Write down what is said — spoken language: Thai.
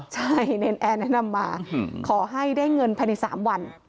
ใช่เนรนแอร์แนะนำมาขอให้ได้เงินภายใน๓วัน